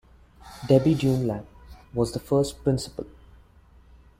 Debbie Dunlap was the first principal.